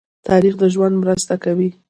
تاریخ د ژوند مرسته کوي.